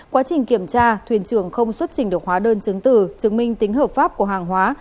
quá trình kiểm tra thuyền trưởng không xuất trình được hóa đơn chứng tử chứng minh tính hợp pháp của hàng hóa